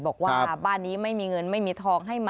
บอกว่าบ้านนี้ไม่มีเงินไม่มีทองให้มา